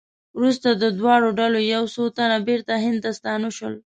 وروسته د دواړو ډلو یو څو تنه بېرته هند ته ستانه شول.